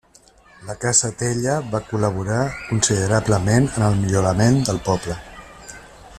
La casa Tella va col·laborar considerablement en el millorament del poble.